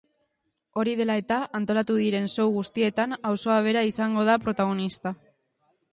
Hori dela eta, antolatu diren show guztietan auzoa bera izango da protagonista.